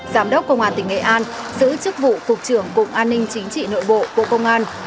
giám đốc công an tỉnh nghệ an giữ chức vụ cục trưởng cục an ninh chính trị nội bộ bộ công an